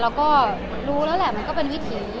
เราก็รู้แล้วแหละมันก็เป็นวิถี